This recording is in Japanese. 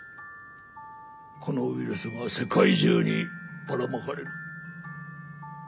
このウイルスが世界中にばらまかれる。